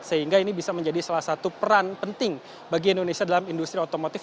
sehingga ini bisa menjadi salah satu peran penting bagi indonesia dalam industri otomotif